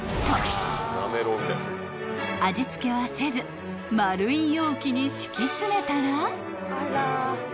［味付けはせず丸い容器に敷き詰めたら］